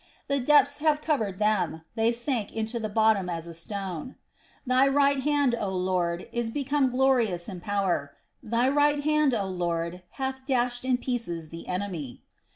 "The depths have covered them: they sank into the bottom as a stone. "Thy right hand, O Lord, is become glorious in power: thy right hand, O Lord, hath dashed in pieces the enemy.